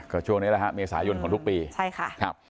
ก็ช่วงนี้แหละฮะเมษายนของทุกปีใช่ค่ะครับ